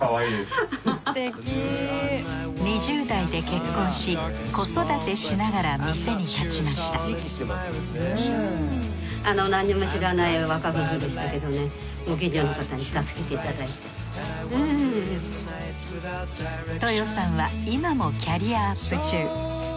２０代で結婚し子育てしながら店に立ちました豊さんは今もキャリアアップ中。